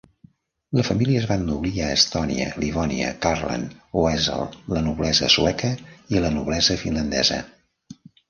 La família es va ennoblir a Estònia, Livònia, Curland, Oesel, la noblesa sueca i la noblesa finlandesa.